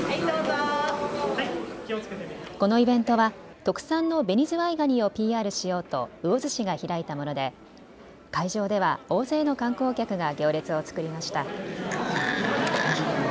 このイベントは特産のベニズワイガニをＰＲしようと魚津市が開いたもので会場では大勢の観光客が行列を作りました。